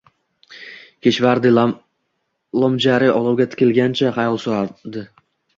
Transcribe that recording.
Kishvardi Lomjariya olovga tikilgancha xayol surardi.